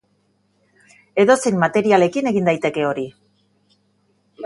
Edozein materialekin egin daiteke hori.